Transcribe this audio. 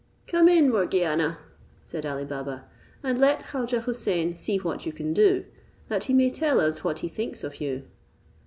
"Come in, Morgiana," said Ali Baba, "and let Khaujeh Houssain see what you can do, that he may tell us what he thinks of you."